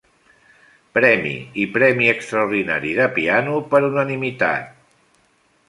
Premi i Premi Extraordinari de piano per unanimitat.